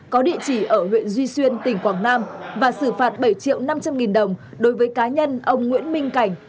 có địa chỉ ở huyện duy xuyên tỉnh quảng nam và xử phạt bảy triệu năm trăm linh nghìn đồng đối với cá nhân ông nguyễn minh cảnh